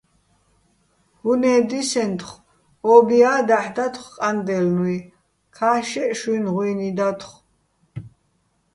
უ̂ნე́ დისენთხო̆, ო́ბია́ დაჰ̦ დათხო̆ ყანდაჲლნუჲ, ქა́შშეჸ შუჲნი̆ ღუჲნი დათხო̆.